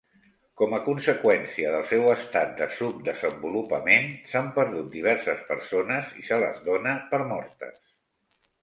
Com a conseqüència del seu estat de subdesenvolupament, s'han perdut diverses persones i se les dona per mortes.